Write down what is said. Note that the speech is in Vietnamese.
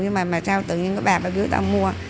nhưng mà sao tự nhiên cái bà bà biểu tạo mua